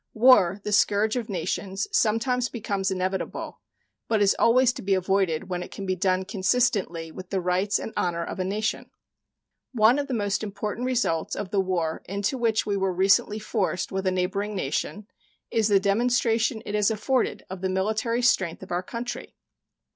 War, the scourge of nations, sometimes becomes inevitable, but is always to be avoided when it can be done consistently with the rights and honor of a nation. One of the most important results of the war into which we were recently forced with a neighboring nation is the demonstration it has afforded of the military strength of our country.